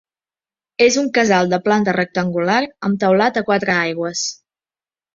És un casal de planta rectangular amb teulat a quatre aigües.